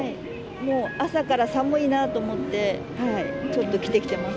もう朝から寒いなと思って、ちょっと着てきてます。